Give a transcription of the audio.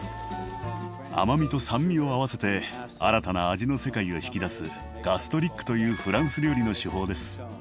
甘みと酸味を合わせて新たな味の世界を引き出すガストリックというフランス料理の手法です。